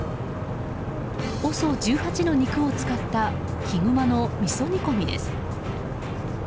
ＯＳＯ１８の肉を使ったヒグマのみそ煮込みです。